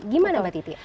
gimana mbak titi